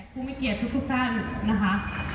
ผู้มีเกียรติทุกสั้นนะคะ